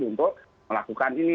untuk melakukan ini